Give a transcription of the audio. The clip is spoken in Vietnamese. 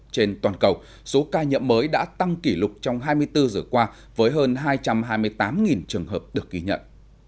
trên toàn cầu số ca nhậm mới đã tăng kỷ lục trong hai mươi bốn giờ qua với hơn hai trăm hai mươi tám trường hợp được ghi nhận